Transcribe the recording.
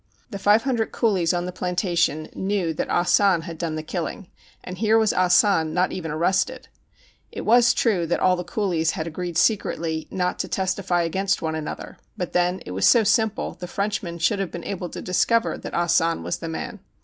The five hundred coolies on the plantation knew that Ah San had done the killing, and here was Ah San not even arrested. It v/as true that all the coolies had agreed secretly not to testify against one an other; but then, it was so simple, the French men should have been able to discover that Ah San was the man.